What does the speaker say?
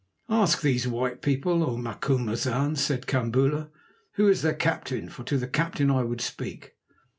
"Ask these white people, O Macumazahn," said Kambula, "who is their captain, for to the captain I would speak."